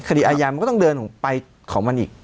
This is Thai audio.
คดีอาญามันก็ต้องเดินไปของมันอีก